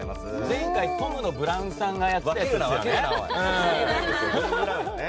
前回トムのブラウンさんがやってたやつね。